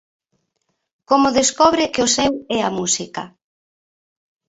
Como descobre que o seu é a música?